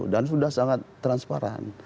dan sudah sangat transparan